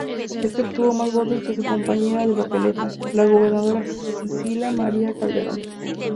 Este obtuvo más votos que su compañera de papeleta, la gobernadora Sila María Calderón.